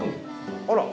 あら。